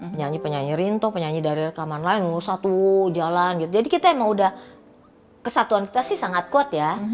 penyanyi penyanyi rinto penyanyi dari rekaman lain mau satu jalan gitu jadi kita emang udah kesatuan kita sih sangat kuat ya